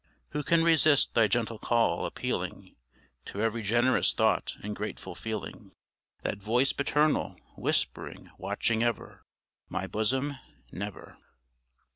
Who can resist Thy gentle call appealing To every generous thought and grateful feeling? That voice paternal whispering, watching ever: My bosom? never.